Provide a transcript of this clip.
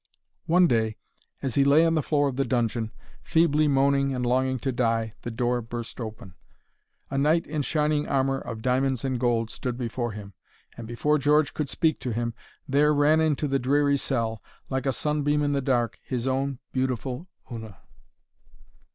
One day, as he lay on the floor of the dungeon, feebly moaning and longing to die, the door burst open. A knight in shining armour of diamonds and gold stood before him, and before George could speak to him, there ran into the dreary cell, like a sunbeam in the dark, his own beautiful Una.